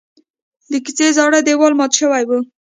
د کوڅې زاړه دیوال مات شوی و.